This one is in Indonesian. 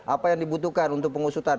apa yang dibutuhkan untuk pengusutan